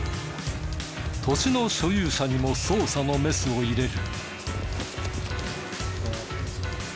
土地の所有者にも捜査のメスを入れる。